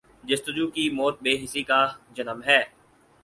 جستجو کی موت بے حسی کا جنم ہے۔